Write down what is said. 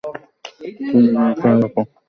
তুমি নিজের খেয়াল রাখো।